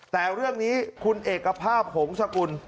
แต่เรื่องนี้คุณเอกภาพหงษกุล